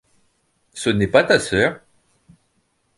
Ce n’est pas ta sœur ?